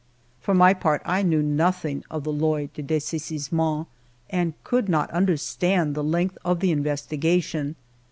For my part I knew nothing of the Loi de Des saisissement and could not understand the length of the investigation.